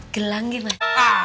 gelang ya mas